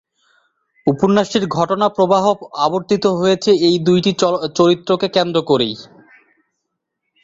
উপন্যাসটির ঘটনা প্রবাহ আবর্তিত হয়েছে এই দু'টি চরিত্রকে কেন্দ্র করেই।